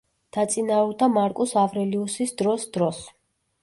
დაწინაურდა მარკუს ავრელიუსის დროს დროს.